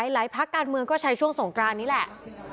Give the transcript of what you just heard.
พักการเมืองก็ใช้ช่วงสงกรานนี้แหละ